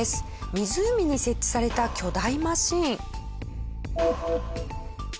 湖に設置された巨大マシン。